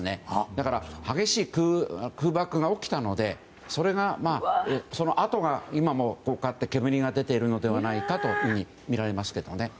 だから、激しい空爆が起きたのでその跡で、今も煙が出ているのではないかとみられますけども。